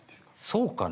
そうかな？